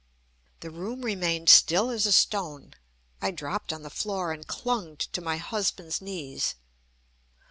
The room remained still as a stone. I dropped on the floor, and clung to my husband's knees.